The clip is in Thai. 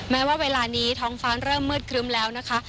แม้ว่าเวลานี้ท้องฟ้าเริ่มมืดครึ้มแล้วนะคะ